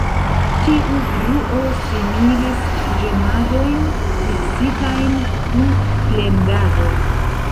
Tiu bruo similis ĝemadojn miksitajn kun plendadoj.